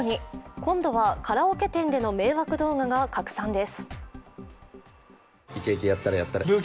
今度はカラオケ店での迷惑動画が拡散です。